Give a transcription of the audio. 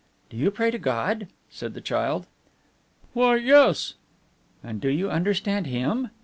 "Do you pray to God?" said the child. "Why? yes!" "And do you understand Him?"